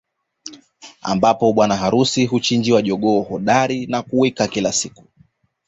Ambapo bwana harusi huchinjiwa jogoo hodari wa kuwika kila siku